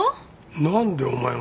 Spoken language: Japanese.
なんでお前が。